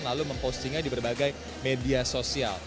lalu mempostingnya di berbagai media sosial